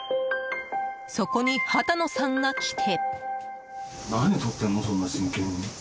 そこに畑野さんが来て。